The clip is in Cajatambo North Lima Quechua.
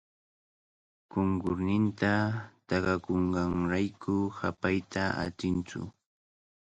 Qunqurninta takakunqanrayku hapayta atintsu.